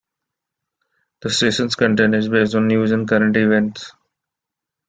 The station's content is based on news and current events.